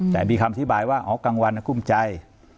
แต่มีคำอธิบายว่าอ๋อกลางวันกุ้มใจ